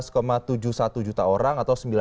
yang memiliki ijasa universitas ini hanya ada di indonesia